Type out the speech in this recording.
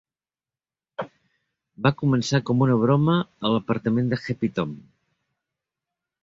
Va començar com una broma a l'apartament de Happy-Tom.